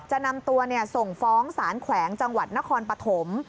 จะนำตัวส่งฟ้องสารแขวงจังหวัดนครปฐม